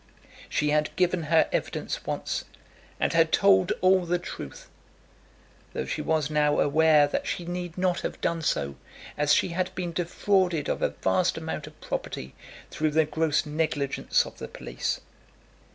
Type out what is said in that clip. She had given her evidence once and had told all the truth, though she was now aware that she need not have done so, as she had been defrauded of a vast amount of property through the gross negligence of the police.